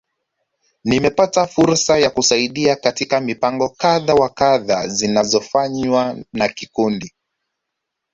Nimepata fursa ya kusaidia katika mipango kadha wa kadha zinazofanywa na kikundi.